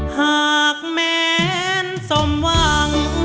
หากแม้นสมหวัง